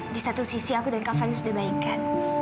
di satu sisi aku dan kak fany sudah baikkan